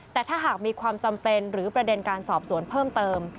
แต่ถ้าหากมีความจำเป็นหรือประเด็นการสอบสวนเพิ่มเติม